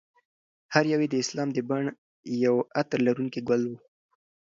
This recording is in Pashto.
هر یو یې د اسلام د بڼ یو عطر لرونکی ګل و.